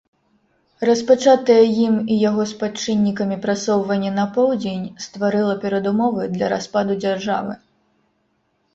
Распачатае ім і яго спадчыннікамі прасоўванне на поўдзень стварыла перадумовы для распаду дзяржавы.